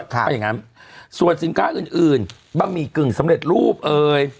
ถ้าอย่างงั้นส่วนสินค้าอื่นอื่นบะหมี่กึ่งสำเร็จรูปเอ่ย